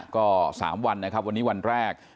ก็๓วันวันนี้วันแรก